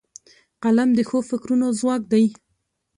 قلم د ښو فکرونو ځواک دی